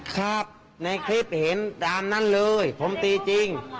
ครับในคลิปเห็นตามนั้นเลยผมตีจริง